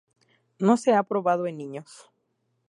No se ha probado en niños.